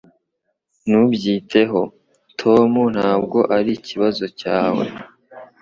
Ntubyiteho, Tom. Ntabwo ari ikibazo cyawe.